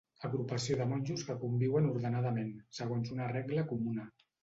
Agrupació de monjos que conviuen ordenadament, segons una regla comuna.